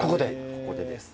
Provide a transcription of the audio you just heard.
ここでですね